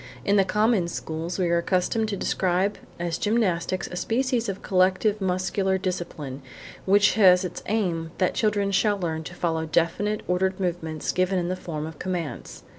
In the common schools we are accustomed to describe as gymnastics a species of collective muscular discipline which has as its aim that children shall learn to follow definite ordered movements given in the form of commands.